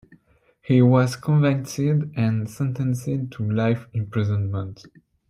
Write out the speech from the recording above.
He was convicted and sentenced to life imprisonment.